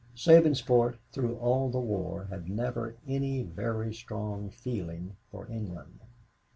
Sabinsport, through all the war, had never any very strong feeling for England.